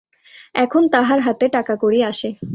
এখন তাহার হাতে টাকাকড়ি আসে।